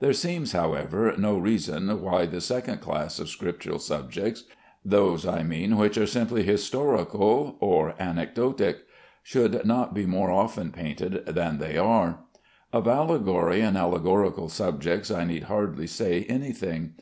There seems, however, no reason why the second class of Scriptural subjects (those, I mean, which are simply historical or anecdotic) should not be more often painted than they are. Of allegory and allegorical subjects I need hardly say any thing.